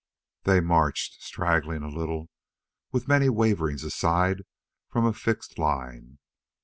They marched, straggling a little, with many waverings aside from a fixed line.